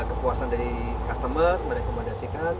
kepuasan dari customer merekomendasikan